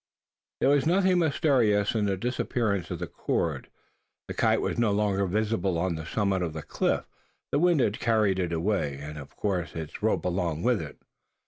There was nothing mysterious in the disappearance of the cord. The kite was no longer visible on the summit of the cliff. The wind had carried it away; and, of course, its rope along with it.